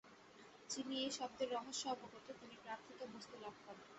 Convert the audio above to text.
যিনি এই শব্দের রহস্য অবগত, তিনি প্রার্থিত বস্তু লাভ করেন।